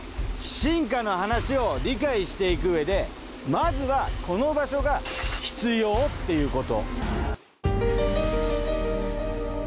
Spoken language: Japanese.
進化の話を理解していくうえでまずはこの場所が必要っていうこと。